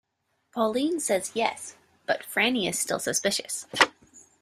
Pauline says yes, but Frannie is still suspicious.